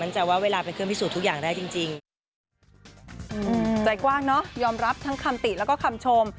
ใจกว้างเนาะยอมรับทั้งคำติและก็คำชม